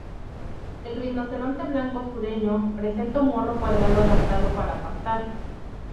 El rinoceronte blanco sureño presenta un morro cuadrado adaptado para pastar.